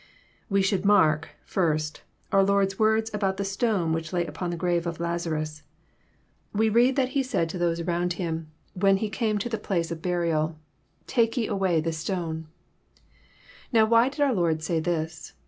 We should mark, first, our Lord^s words about the stone which lay upon the grave of Lazarus. We read that He 278 EJLPOSnORT £H0UGHT8. Baid to those aioond Him, when he came to the place of harial, *^ Take ye away the stone." Now why did oar Lord say this?